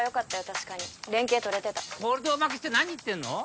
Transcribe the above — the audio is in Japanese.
確かに連携取れてたコールド負けして何言ってんの？